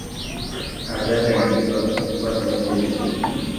Aceasta a implicat foarte multe discuții.